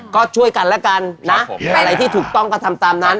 ก็ช่วยกันแล้วกันนะอะไรที่ถูกต้องก็ทำตามนั้น